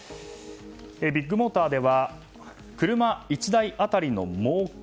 ビッグモーターでは車１台当たりのもうけ